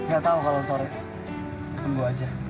gak tau kalau sore tunggu aja